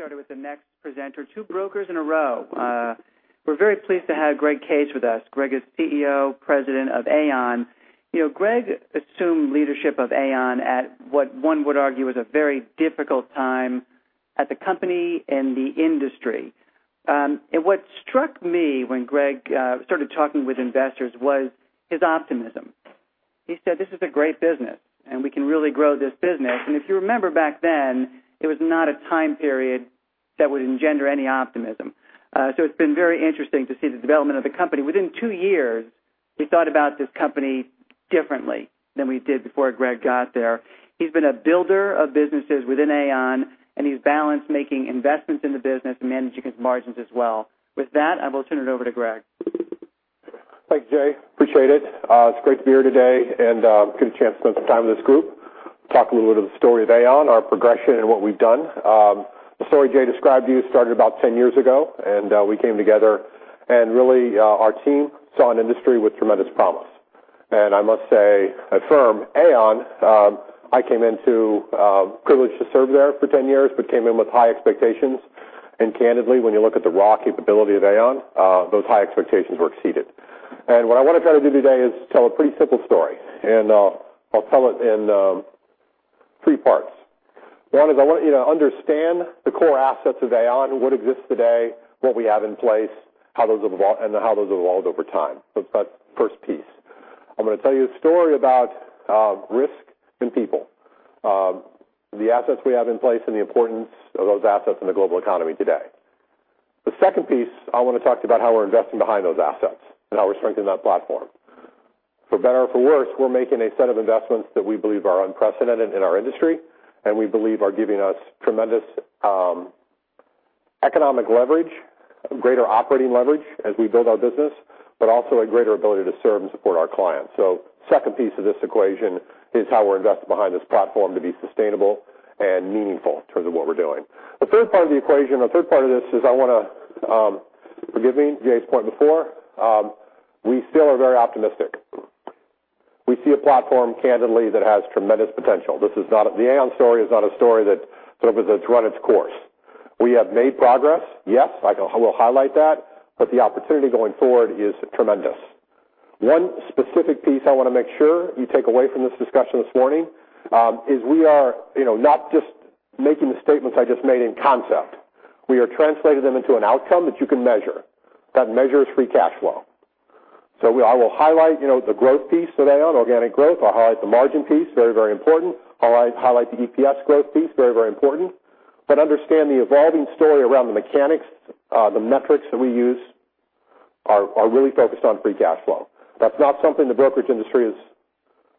Started with the next presenter, two brokers in a row. We're very pleased to have Greg Case with us. Greg is CEO, President of Aon. Greg assumed leadership of Aon at what one would argue was a very difficult time at the company and the industry. What struck me when Greg started talking with investors was his optimism. He said, "This is a great business, and we can really grow this business." If you remember back then, it was not a time period that would engender any optimism. It's been very interesting to see the development of the company. Within two years, we thought about this company differently than we did before Greg got there. He's been a builder of businesses within Aon, and he's balanced making investments in the business and managing its margins as well. With that, I will turn it over to Greg. Thanks, Jay. Appreciate it. It's great to be here today and get a chance to spend some time with this group, talk a little bit of the story of Aon, our progression, and what we've done. The story Jay described to you started about 10 years ago. We came together, and really, our team saw an industry with tremendous promise. I must affirm Aon, I came into privilege to serve there for 10 years but came in with high expectations. Candidly, when you look at the raw capability of Aon, those high expectations were exceeded. What I want to try to do today is tell a pretty simple story, and I'll tell it in three parts. One is I want you to understand the core assets of Aon, what exists today, what we have in place, and how those have evolved over time. That's first piece. I'm going to tell you a story about risk and people. The assets we have in place and the importance of those assets in the global economy today. The second piece, I want to talk to you about how we're investing behind those assets and how we're strengthening that platform. For better or for worse, we're making a set of investments that we believe are unprecedented in our industry and we believe are giving us tremendous economic leverage, greater operating leverage as we build our business, but also a greater ability to serve and support our clients. Second piece of this equation is how we invest behind this platform to be sustainable and meaningful in terms of what we're doing. The third part of the equation, the third part of this is I want to, forgive me, Jay's point before, we still are very optimistic. We see a platform candidly that has tremendous potential. The Aon story is not a story that sort of has run its course. We have made progress, yes, I will highlight that. The opportunity going forward is tremendous. One specific piece I want to make sure you take away from this discussion this morning, is we are not just making the statements I just made in concept. We are translating them into an outcome that you can measure. That measure is free cash flow. I will highlight the growth piece to Aon, organic growth. I'll highlight the margin piece. Very, very important. I'll highlight the EPS growth piece, very, very important. Understand the evolving story around the mechanics, the metrics that we use are really focused on free cash flow. That's not something the brokerage industry has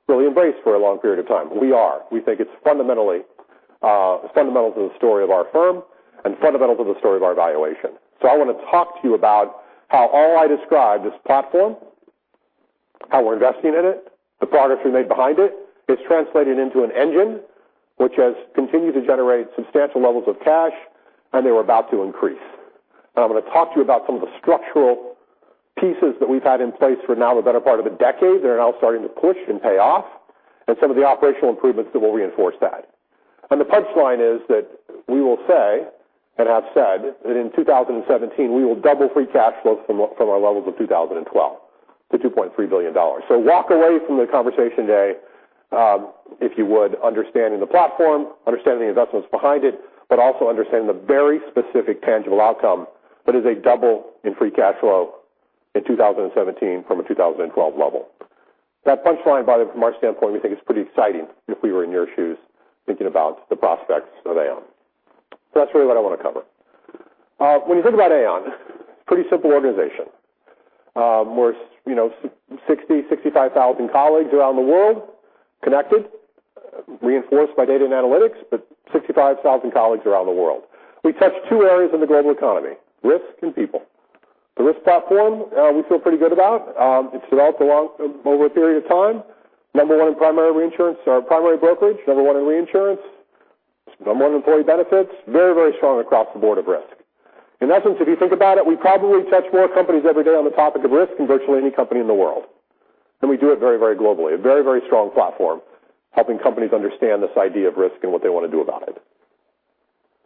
really embraced for a long period of time. We are. We think it's fundamental to the story of our firm and fundamental to the story of our valuation. I want to talk to you about how all I described, this platform, how we're investing in it, the progress we made behind it, is translated into a Revenue Engine which has continued to generate substantial levels of cash, and they were about to increase. I'm going to talk to you about some of the structural pieces that we've had in place for now the better part of a decade. They're now starting to push and pay off, and some of the operational improvements that will reinforce that. The punchline is that we will say, and have said, that in 2017, we will double free cash flow from our levels of 2012 to $2.3 billion. Walk away from the conversation today, if you would, understanding the platform, understanding the investments behind it, but also understanding the very specific tangible outcome that is a double in free cash flow in 2017 from a 2012 level. That punchline, by the way, from our standpoint, we think is pretty exciting if we were in your shoes thinking about the prospects of Aon. That's really what I want to cover. When you think about Aon, pretty simple organization. We're 60,000, 65,000 colleagues around the world, connected, reinforced by data and analytics, but 65,000 colleagues around the world. We touch two areas in the global economy, risk and people. The risk platform we feel pretty good about. It's developed over a period of time. Number one in primary reinsurance or primary brokerage, number one in reinsurance, number one in employee benefits. Very, very strong across the board of risk. In essence, if you think about it, we probably touch more companies every day on the topic of risk than virtually any company in the world. We do it very, very globally. A very, very strong platform, helping companies understand this idea of risk and what they want to do about it.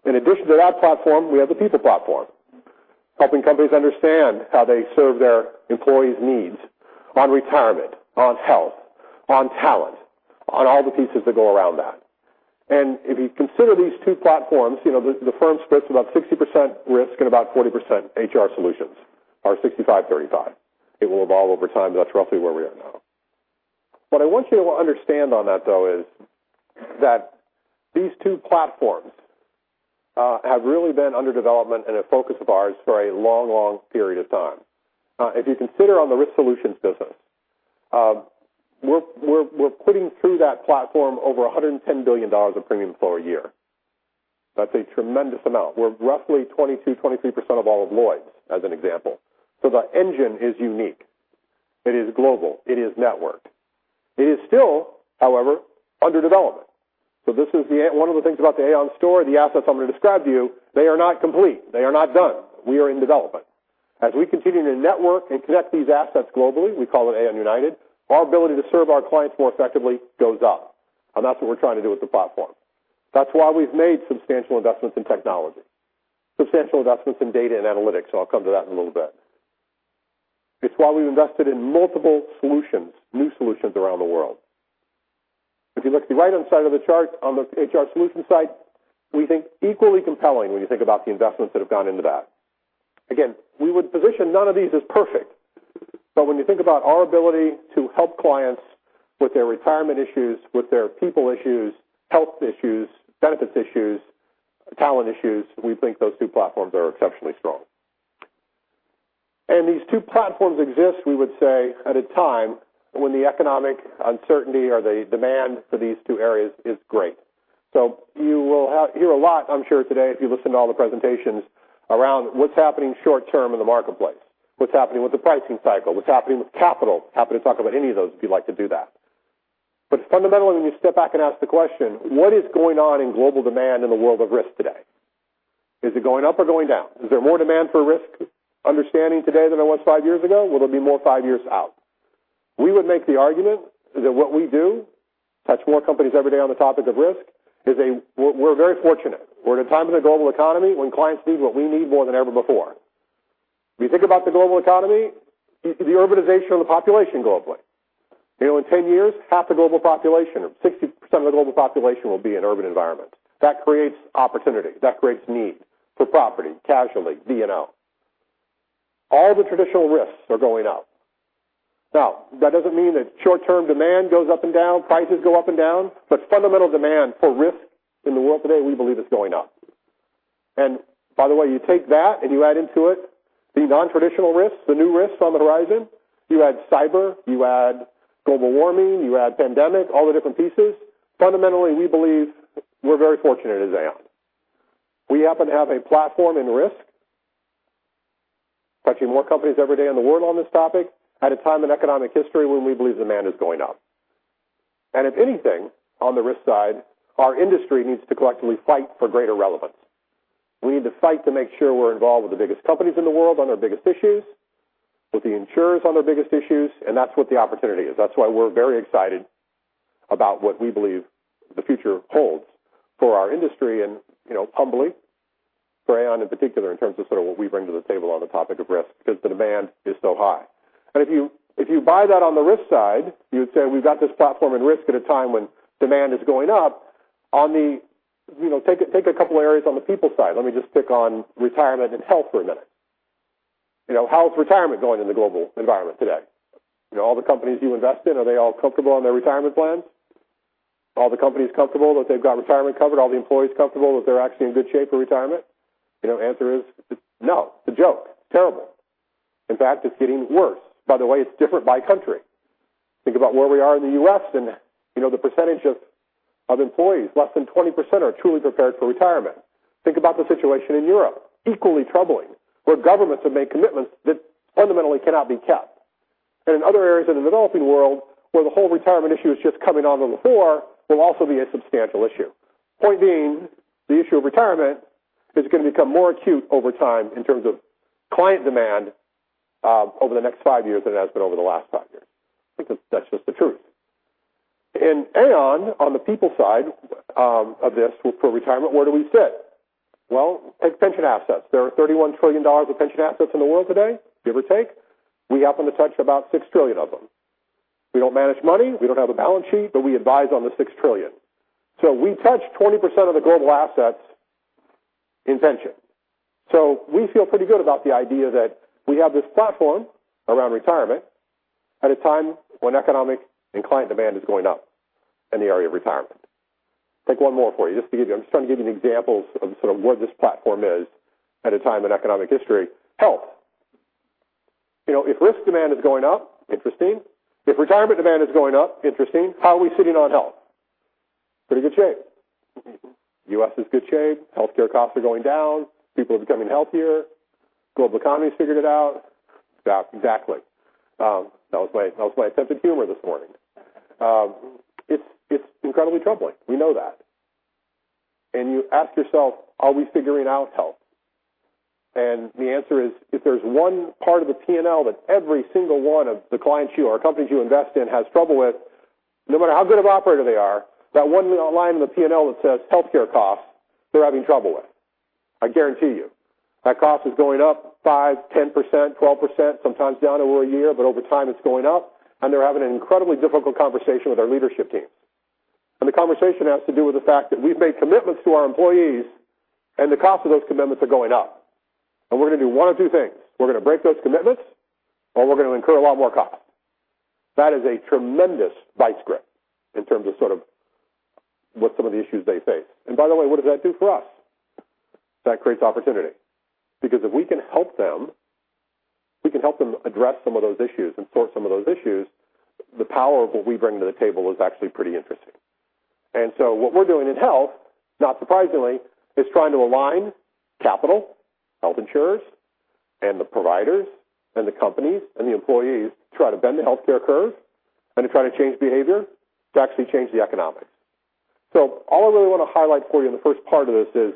In addition to that platform, we have the people platform, helping companies understand how they serve their employees' needs on retirement, on health, on talent, on all the pieces that go around that. If you consider these two platforms, the firm splits about 60% risk and about 40% HR solutions, or 65/35. It will evolve over time. That's roughly where we are now. What I want you to understand on that, though, is that these two platforms have really been under development and a focus of ours for a long, long period of time. If you consider on the Risk Solutions business, we're putting through that platform over $110 billion of premiums flow a year. That's a tremendous amount. We're roughly 22%, 23% of all of Lloyd's, as an example. The engine is unique. It is global. It is networked. It is still, however, under development. This is one of the things about the Aon story, the assets I'm going to describe to you, they are not complete. They are not done. We are in development. As we continue to network and connect these assets globally, we call it Aon United, our ability to serve our clients more effectively goes up, and that's what we're trying to do with the platform. That's why we've made substantial investments in technology, substantial investments in data and analytics. I'll come to that in a little bit. It's why we've invested in multiple solutions, new solutions around the world. If you look to the right-hand side of the chart on the HR solutions side, we think equally compelling when you think about the investments that have gone into that. Again, we would position none of these as perfect. When you think about our ability to help clients with their retirement issues, with their people issues, health issues, benefits issues, talent issues, we think those two platforms are exceptionally strong. These two platforms exist, we would say, at a time when the economic uncertainty or the demand for these two areas is great. You will hear a lot, I'm sure today, if you listen to all the presentations, around what's happening short term in the marketplace, what's happening with the pricing cycle, what's happening with capital. Happy to talk about any of those if you'd like to do that. Fundamentally, when you step back and ask the question, what is going on in global demand in the world of risk today? Is it going up or going down? Is there more demand for risk understanding today than there was five years ago? Will there be more five years out? We would make the argument that what we do, touch more companies every day on the topic of risk, we're very fortunate. We're at a time in the global economy when clients need what we need more than ever before. If you think about the global economy, the urbanization of the population globally. In 10 years, half the global population or 60% of the global population will be in urban environment. That creates opportunity. That creates need for property, casualty, P&C. All the traditional risks are going up. That doesn't mean that short-term demand goes up and down, prices go up and down, but fundamental demand for risk in the world today, we believe, is going up. By the way, you take that and you add into it the non-traditional risks, the new risks on the horizon. You add cyber, you add global warming, you add pandemic, all the different pieces. Fundamentally, we believe we're very fortunate as Aon. We happen to have a platform in risk, touching more companies every day in the world on this topic at a time in economic history when we believe demand is going up. If anything, on the risk side, our industry needs to collectively fight for greater relevance. We need to fight to make sure we're involved with the biggest companies in the world on their biggest issues, with the insurers on their biggest issues. That's what the opportunity is. That's why we're very excited about what we believe the future holds for our industry and humbly for Aon in particular, in terms of what we bring to the table on the topic of risk, because the demand is so high. If you buy that on the risk side, you would say we've got this platform in risk at a time when demand is going up. Take a couple of areas on the people side. Let me just pick on retirement and health for a minute. How is retirement going in the global environment today? All the companies you invest in, are they all comfortable on their retirement plans? Are all the companies comfortable that they've got retirement covered? Are all the employees comfortable that they're actually in good shape for retirement? The answer is no. It's a joke. Terrible. In fact, it's getting worse. It's different by country. Think about where we are in the U.S. and the percentage of employees, less than 20% are truly prepared for retirement. Think about the situation in Europe, equally troubling, where governments have made commitments that fundamentally cannot be kept. In other areas of the developing world, where the whole retirement issue is just coming onto the fore, will also be a substantial issue. Point being, the issue of retirement is going to become more acute over time in terms of client demand over the next five years than it has been over the last five years. I think that's just the truth. In Aon, on the people side of this for retirement, where do we sit? Well, take pension assets. There are $31 trillion of pension assets in the world today, give or take. We happen to touch about $6 trillion of them. We don't manage money, we don't have a balance sheet, but we advise on the $6 trillion. We touch 20% of the global assets in pension. We feel pretty good about the idea that we have this platform around retirement at a time when economic and client demand is going up in the area of retirement. Take one more for you. I'm just trying to give you examples of sort of where this platform is at a time in economic history. Health. If risk demand is going up, interesting. If retirement demand is going up, interesting. How are we sitting on health? Pretty good shape. U.S. is good shape. Healthcare costs are going down. People are becoming healthier. Global economy's figured it out. Exactly. That was my sense of humor this morning. It's incredibly troubling. We know that. You ask yourself, are we figuring out health? The answer is, if there's one part of the P&L that every single one of the clients or companies you invest in has trouble with, no matter how good of operator they are, that one line in the P&L that says healthcare costs, they're having trouble with. I guarantee you. That cost is going up 5%, 10%, 12%, sometimes down over a year, but over time it's going up. They're having an incredibly difficult conversation with their leadership team. The conversation has to do with the fact that we've made commitments to our employees. The cost of those commitments are going up. We're going to do one of two things. We're going to break those commitments, or we're going to incur a lot more cost. That is a tremendous vice grip in terms of what some of the issues they face. What does that do for us? That creates opportunity. If we can help them address some of those issues and sort some of those issues, the power of what we bring to the table is actually pretty interesting. What we're doing in health, not surprisingly, is trying to align capital, health insurers, and the providers, and the companies, and the employees to try to bend the healthcare curve and to try to change behavior to actually change the economics. All I really want to highlight for you in the first part of this is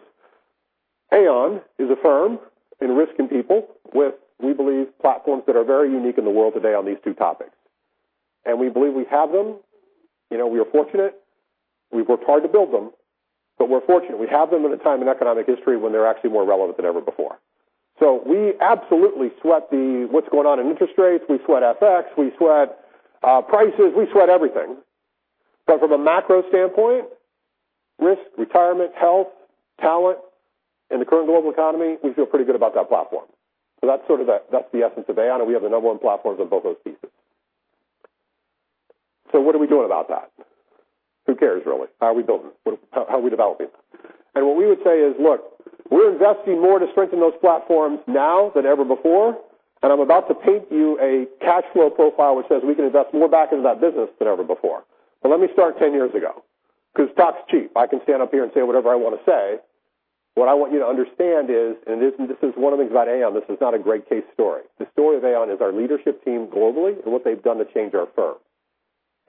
Aon is a firm in risk and people with, we believe, platforms that are very unique in the world today on these two topics. We believe we have them. We are fortunate. We've worked hard to build them, but we're fortunate. We have them at a time in economic history when they're actually more relevant than ever before. We absolutely sweat what's going on in interest rates, we sweat FX, we sweat prices, we sweat everything. From a macro standpoint, risk, retirement, health, talent in the current global economy, we feel pretty good about that platform. That's the essence of Aon, and we have the number one platforms on both those pieces. What are we doing about that? Who cares, really? How are we building? How are we developing? What we would say is, look, we're investing more to strengthen those platforms now than ever before, and I'm about to paint you a cash flow profile which says we can invest more back into that business than ever before. Let me start 10 years ago, because talk's cheap. I can stand up here and say whatever I want to say. What I want you to understand is, and this is one of the things about Aon, this is not a Greg Case story. The story of Aon is our leadership team globally and what they've done to change our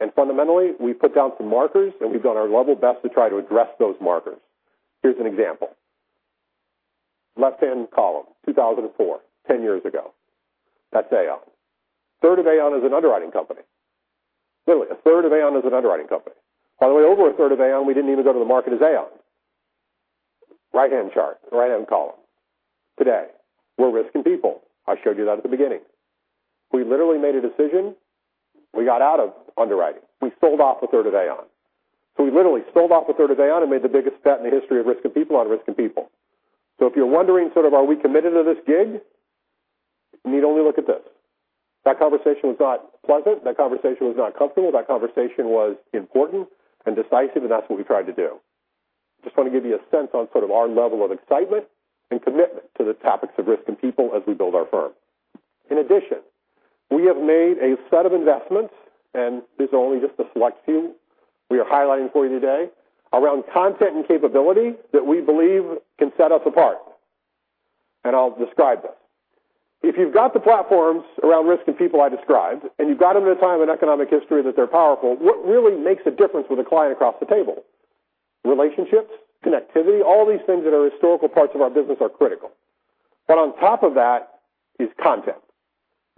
firm. Fundamentally, we put down some markers, and we've done our level best to try to address those markers. Here's an example. Left-hand column, 2004, 10 years ago. That's Aon. A third of Aon is an underwriting company. Literally, a third of Aon is an underwriting company. By the way, over a third of Aon, we didn't even go to the market as Aon. Right-hand chart, right-hand column. Today, we're risk and people. I showed you that at the beginning. We literally made a decision. We got out of underwriting. We sold off a third of Aon. We literally sold off a third of Aon and made the biggest bet in the history of risk and people on risk and people. If you're wondering sort of are we committed to this gig? You need only look at this. That conversation was not pleasant. That conversation was not comfortable. That conversation was important and decisive, and that's what we tried to do. Just want to give you a sense on sort of our level of excitement and commitment to the topics of risk and people as we build our firm. In addition, we have made a set of investments, these are only just a select few we are highlighting for you today, around content and capability that we believe can set us apart. I'll describe this. If you've got the platforms around risk and people I described, and you've got them at a time in economic history that they're powerful, what really makes a difference with a client across the table? Relationships, connectivity, all these things that are historical parts of our business are critical. On top of that is content,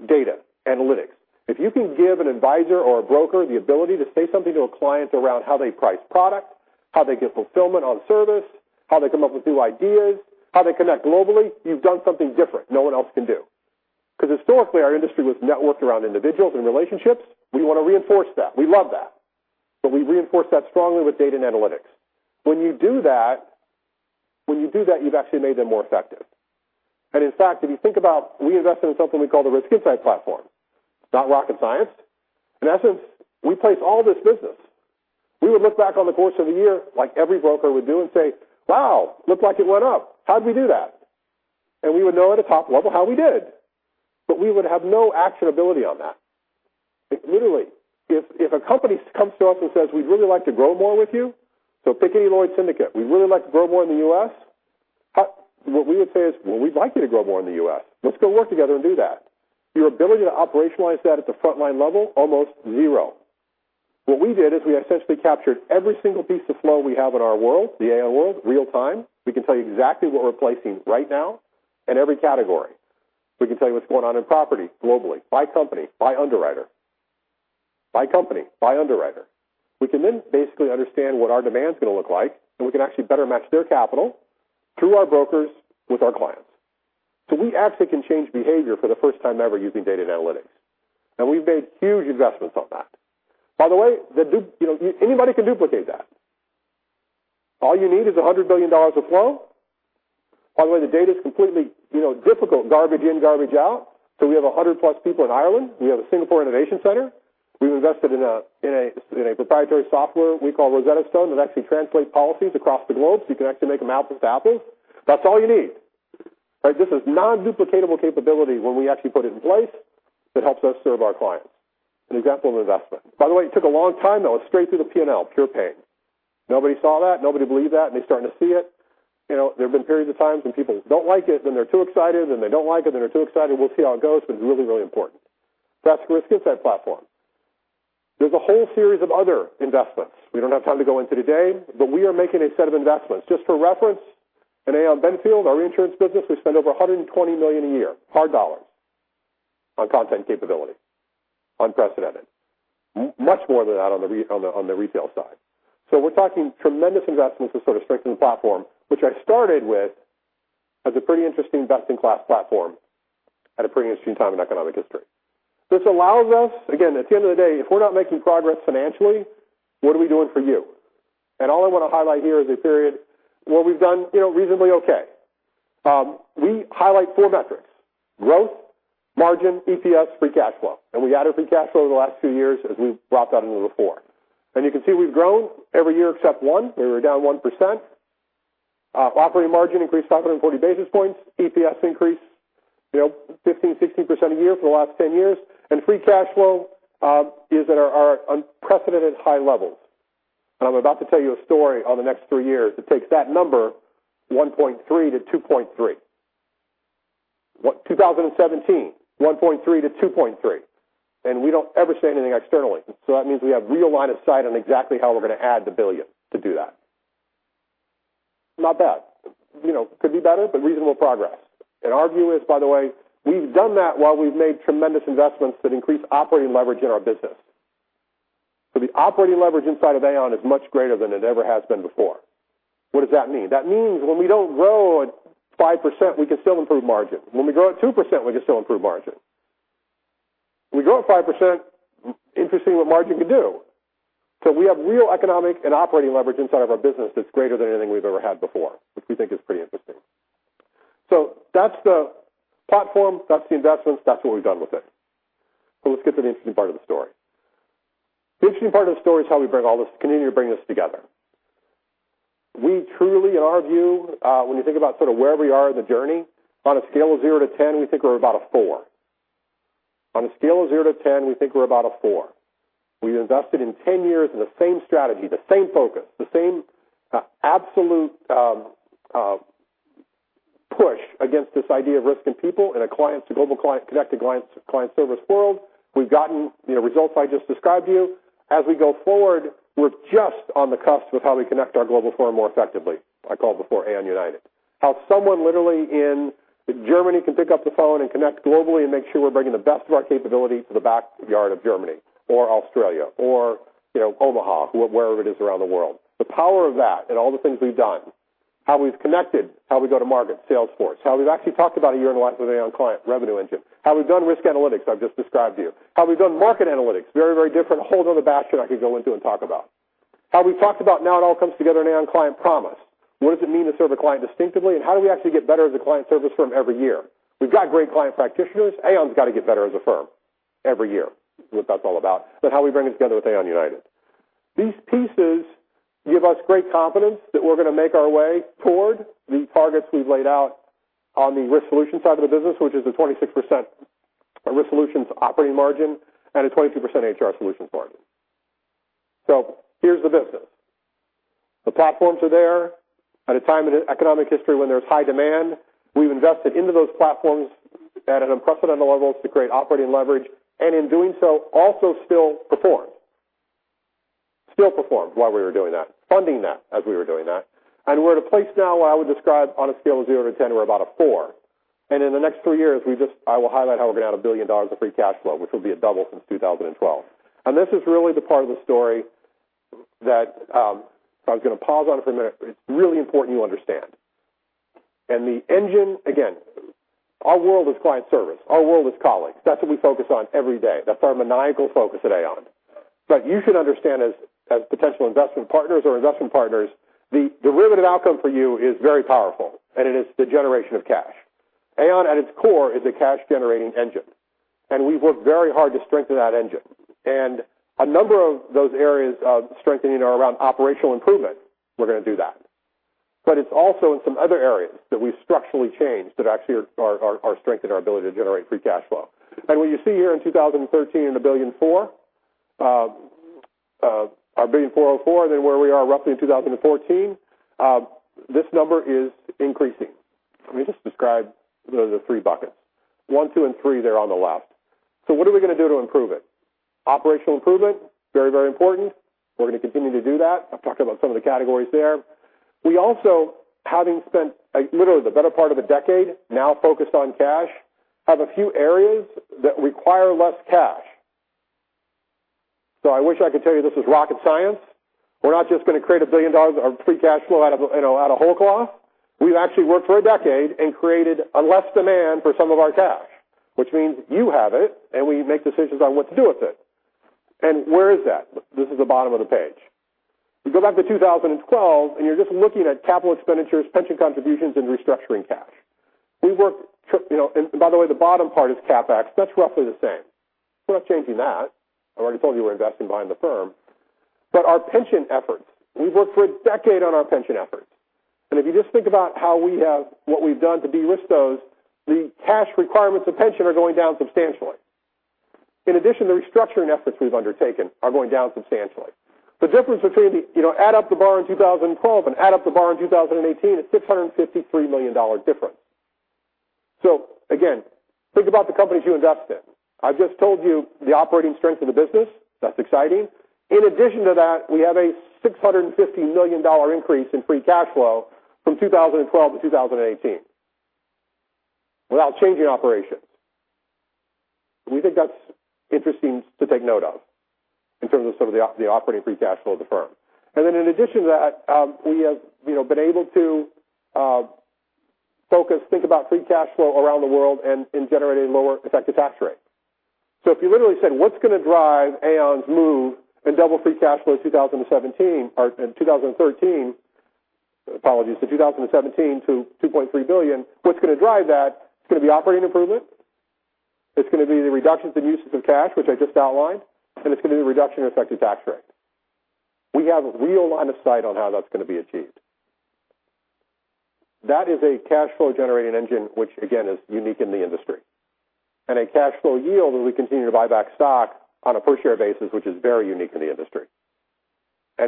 data, analytics. If you can give an advisor or a broker the ability to say something to a client around how they price product, how they get fulfillment on service, how they come up with new ideas, how they connect globally, you've done something different no one else can do. Historically, our industry was networked around individuals and relationships. We want to reinforce that. We love that. We reinforce that strongly with data and analytics. When you do that, you've actually made them more effective. In fact, if you think about we invest in something we call the Risk Insight Platform. It's not rocket science. In essence, we place all this business. We would look back on the course of a year, like every broker would do, and say, "Wow, looks like it went up. How'd we do that?" We would know at a top level how we did. We would have no actionability on that. Literally, if a company comes to us and says, "We'd really like to grow more with you." Pick any Lloyd's syndicate. We'd really like to grow more in the U.S. What we would say is, "Well, we'd like you to grow more in the U.S. Let's go work together and do that." Your ability to operationalize that at the frontline level, almost zero. What we did is we essentially captured every single piece of flow we have in our world, the Aon world, real time. We can tell you exactly what we're placing right now in every category. We can tell you what's going on in property globally, by company, by underwriter. We can then basically understand what our demand's going to look like, and we can actually better match their capital through our brokers with our clients. We actually can change behavior for the first time ever using data and analytics. We've made huge investments on that. By the way, anybody can duplicate that. All you need is $100 billion of flow. By the way, the data is completely difficult, garbage in, garbage out. We have 100-plus people in Ireland. We have a Singapore Innovation Center. We've invested in a proprietary software we call Rosetta Stone that actually translates policies across the globe, so you can actually make them apples to apples. That's all you need. This is non-duplicatable capability when we actually put it in place that helps us serve our clients. An example of investment. By the way, it took a long time, though. It's straight through the P&L, pure pain. Nobody saw that, nobody believed that. They're starting to see it. There have been periods of time when people don't like it, then they're too excited, then they don't like it, then they're too excited. We'll see how it goes, it's really, really important. That's Risk Insight Platform. There's a whole series of other investments we don't have time to go into today. We are making a set of investments. Just for reference, in Aon Benfield, our insurance business, we spend over $120 million a year, hard dollars, on content capability. Unprecedented. Much more than that on the retail side. We're talking tremendous investments to sort of strengthen the platform, which I started with as a pretty interesting best-in-class platform at a pretty interesting time in economic history. This allows us, again, at the end of the day, if we're not making progress financially, what are we doing for you? All I want to highlight here is a period where we've done reasonably okay. We highlight four metrics, growth, margin, EPS, free cash flow. We added free cash flow over the last two years as we've dropped out a number four. You can see we've grown every year except one, where we're down 1%. Operating margin increased 140 basis points. EPS increased 15%, 16% a year for the last 10 years. Free cash flow is at our unprecedented high levels. I'm about to tell you a story on the next three years that takes that number, $1.3 to $2.3. What, 2017, $1.3 to $2.3. We don't ever say anything externally. That means we have real line of sight on exactly how we're going to add the $1 billion to do that. Not bad. Could be better, but reasonable progress. Our view is, by the way, we've done that while we've made tremendous investments that increase operating leverage in our business. The operating leverage inside of Aon is much greater than it ever has been before. What does that mean? That means when we don't grow at 5%, we can still improve margin. When we grow at 2%, we can still improve margin. We grow at 5%, interesting what margin can do. We have real economic and operating leverage inside of our business that's greater than anything we've ever had before, which we think is pretty interesting. That's the platform, that's the investments, that's what we've done with it. Let's get to the interesting part of the story. The interesting part of the story is how we continue to bring this together. We truly, in our view, when you think about where we are in the journey, on a scale of zero to 10, we think we're about a four. On a scale of zero to 10, we think we're about a four. We've invested in 10 years in the same strategy, the same focus, the same absolute push against this idea of risk and people in a global client connected client service world. We've gotten the results I just described to you. We go forward, we're just on the cusp of how we connect our global firm more effectively. I called before Aon United. How someone literally in Germany can pick up the phone and connect globally and make sure we're bringing the best of our capability to the backyard of Germany or Australia or Omaha, wherever it is around the world. The power of that and all the things we've done, how we've connected, how we go to market, Salesforce, how we've actually talked about a year in life with Aon Client Revenue Engine, how we've done risk analytics I've just described to you, how we've done market analytics, very different, a whole other basket I could go into and talk about. How we've talked about now it all comes together in Aon Client Promise. What does it mean to serve a client distinctively, and how do we actually get better as a client service firm every year? We've got great client practitioners. Aon's got to get better as a firm every year. That's what that's all about. How we bring this together with Aon United. These pieces give us great confidence that we're going to make our way toward the targets we've laid out on the Risk Solutions side of the business, which is a 26% Risk Solutions operating margin and a 22% HR solutions margin. Here's the business. The platforms are there at a time in economic history when there's high demand. We've invested into those platforms at an unprecedented level to create operating leverage, and in doing so, also Still performed. Still performed while we were doing that, funding that as we were doing that. We're at a place now where I would describe on a scale of 0 to 10, we're about a four. In the next three years, I will highlight how we're going to add $1 billion of free cash flow, which will be a double since 2012. This is really the part of the story that I was going to pause on it for a minute. It's really important you understand. The engine, again, our world is client service. Our world is colleagues. That's what we focus on every day. That's our maniacal focus at Aon. You should understand, as potential investment partners or investment partners, the derivative outcome for you is very powerful, and it is the generation of cash. Aon, at its core, is a cash-generating engine, and we've worked very hard to strengthen that engine. A number of those areas of strengthening are around operational improvement, we're going to do that. It's also in some other areas that we've structurally changed that actually are strengthening our ability to generate free cash flow. What you see here in 2013 in $1 billion and four, our $1 billion four on four, then where we are roughly in 2014, this number is increasing. Let me just describe the three buckets. One, two, and three there on the left. What are we going to do to improve it? Operational improvement, very important. We're going to continue to do that. I've talked about some of the categories there. We also, having spent literally the better part of a decade now focused on cash, have a few areas that require less cash. I wish I could tell you this is rocket science. We're not just going to create $1 billion of free cash flow out of whole cloth. We've actually worked for a decade and created a less demand for some of our cash, which means you have it, and we make decisions on what to do with it. Where is that? This is the bottom of the page. You go back to 2012, and you're just looking at capital expenditures, pension contributions, and restructuring cash. By the way, the bottom part is CapEx. That's roughly the same. We're not changing that. I've already told you we're investing behind the firm. Our pension efforts, we've worked for a decade on our pension efforts. If you just think about what we've done to de-risk those, the cash requirements of pension are going down substantially. In addition, the restructuring efforts we've undertaken are going down substantially. The difference between the add up the bar in 2012 and add up the bar in 2018, it's $653 million difference. Again, think about the companies you invest in. I've just told you the operating strength of the business, that's exciting. In addition to that, we have a $650 million increase in free cash flow from 2012 to 2018 without changing operations. We think that's interesting to take note of in terms of some of the operating free cash flow of the firm. Then in addition to that, we have been able to focus, think about free cash flow around the world and generating lower effective tax rate. If you literally said, what's going to drive Aon's move and double free cash flow in 2017 or in 2013, apologies, to 2017 to $2.3 billion, what's going to drive that? It's going to be operating improvement, it's going to be the reductions in uses of cash, which I just outlined, and it's going to be the reduction in effective tax rate. We have a real line of sight on how that's going to be achieved. That is a cash flow generating engine, which again, is unique in the industry. A cash flow yield as we continue to buy back stock on a per share basis, which is very unique in the industry.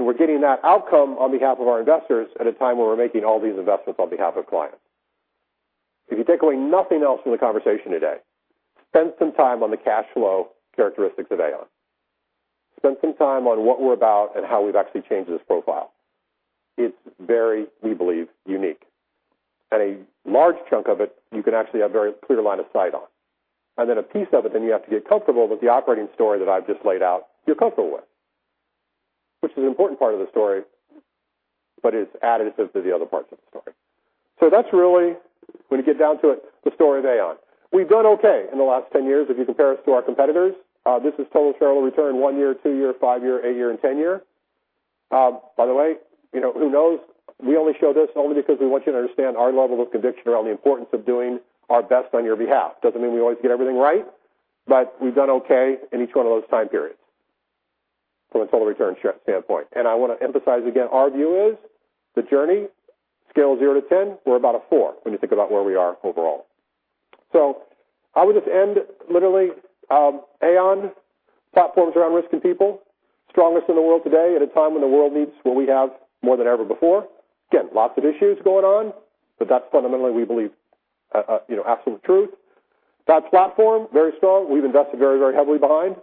We're getting that outcome on behalf of our investors at a time when we're making all these investments on behalf of clients. If you take away nothing else from the conversation today, spend some time on the cash flow characteristics of Aon. Spend some time on what we're about and how we've actually changed this profile. It's very, we believe, unique. A large chunk of it, you can actually have very clear line of sight on. Then a piece of it, then you have to get comfortable with the operating story that I've just laid out, you're comfortable with. Which is an important part of the story, but it's additive to the other parts of the story. That's really, when you get down to it, the story of Aon. We've done okay in the last 10 years if you compare us to our competitors. This is total shareholder return, one year, two year, five year, eight year, and 10 year. By the way, who knows, we only show this only because we want you to understand our level of conviction around the importance of doing our best on your behalf. Doesn't mean we always get everything right, but we've done okay in each one of those time periods from a total return standpoint. I want to emphasize again, our view is the journey, scale of zero to 10, we're about a four when you think about where we are overall. I would just end literally, Aon platforms around risk and people, strongest in the world today at a time when the world needs what we have more than ever before. Again, lots of issues going on, but that's fundamentally, we believe, absolute truth. That platform, very strong. We've invested very heavily behind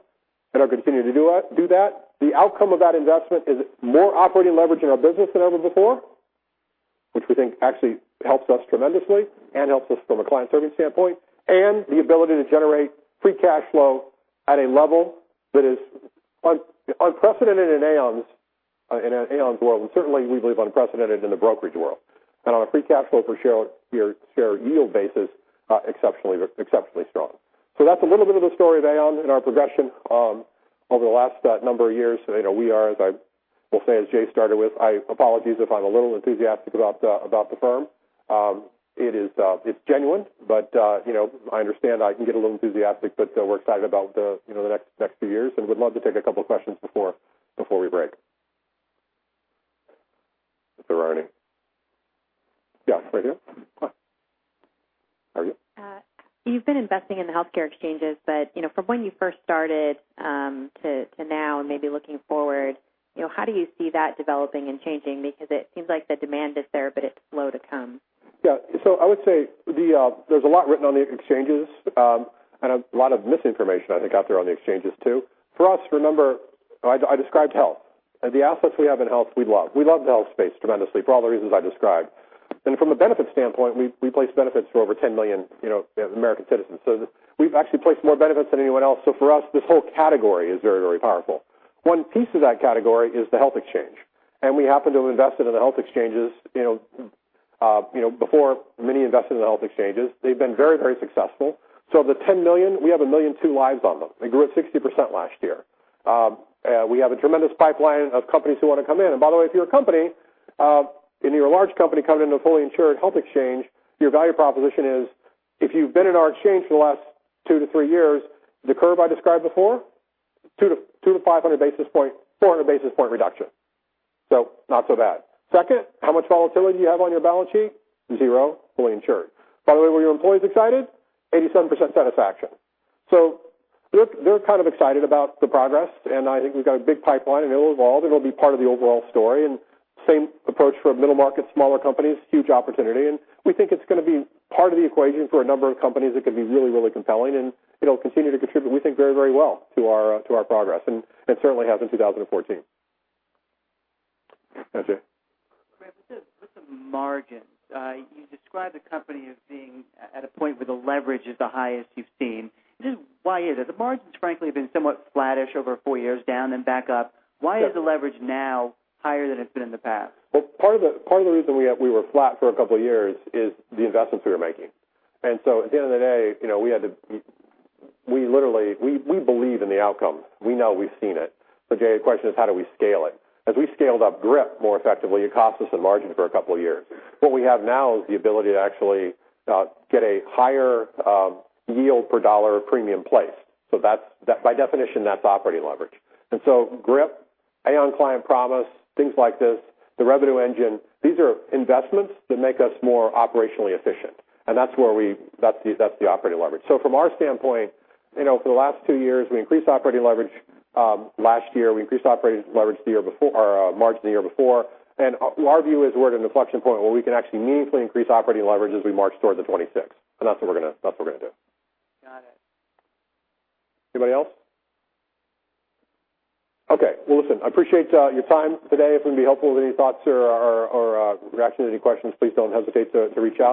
and are continuing to do that. The outcome of that investment is more operating leverage in our business than ever before, which we think actually helps us tremendously and helps us from a client service standpoint. The ability to generate free cash flow at a level that is unprecedented in Aon's world, and certainly we believe unprecedented in the brokerage world. On a free cash flow per share yield basis, exceptionally strong. That's a little bit of the story of Aon and our progression over the last number of years. We are, as I will say, as Jay started with, apologies if I'm a little enthusiastic about the firm. It's genuine, but I understand I can get a little enthusiastic, but we're excited about the next few years, and we'd love to take a couple questions before we break. Mr. Ronnie. Right here. How are you? You've been investing in the health exchanges, but from when you first started to now, maybe looking forward, how do you see that developing and changing? It seems like the demand is there, but it's slow to come. I would say there's a lot written on the exchanges, and a lot of misinformation, I think, out there on the exchanges, too. For us, remember, I described health, and the assets we have in health, we love. We love the health space tremendously for all the reasons I described. From a benefits standpoint, we place benefits for over 10 million American citizens. We've actually placed more benefits than anyone else. For us, this whole category is very powerful. One piece of that category is the health exchange. We happen to have invested in the health exchanges before many invested in the health exchanges. They've been very successful. Of the 10 million, we have a million two lives on them. They grew at 60% last year. We have a tremendous pipeline of companies who want to come in. By the way, if you're a company, and you're a large company coming into a fully insured health exchange, your value proposition is if you've been in our exchange for the last 2-3 years, the curve I described before, 200-500 basis point, 400 basis point reduction. Not so bad. Second, how much volatility do you have on your balance sheet? Zero, fully insured. By the way, were your employees excited? 87% satisfaction. They're kind of excited about the progress, and I think we've got a big pipeline, and it'll evolve, and it'll be part of the overall story. Same approach for middle market, smaller companies, huge opportunity. We think it's going to be part of the equation for a number of companies that could be really compelling, and it'll continue to contribute, we think, very well to our progress. It certainly has in 2014. Yeah, Jay. With the margins, you describe the company as being at a point where the leverage is the highest you've seen. Why is it? The margins, frankly, have been somewhat flattish over four years down then back up. Why is the leverage now higher than it's been in the past? Well, part of the reason we were flat for a couple of years is the investments we were making. At the end of the day, we believe in the outcome. We know, we've seen it. Jay, the question is, how do we scale it? As we scaled up GRIP more effectively, it cost us in margins for a couple of years. What we have now is the ability to actually get a higher yield per dollar premium placed. By definition, that's operating leverage. GRIP, Aon Client Promise, things like this, the Revenue Engine, these are investments that make us more operationally efficient. That's the operating leverage. From our standpoint, for the last two years, we increased operating leverage. Last year, we increased operating leverage the year before, or margin the year before. Our view is we're at an inflection point where we can actually meaningfully increase operating leverage as we march towards the 26%. That's what we're going to do. Got it. Okay. Listen, I appreciate your time today. If we can be helpful with any thoughts or reaction to any questions, please don't hesitate to reach out.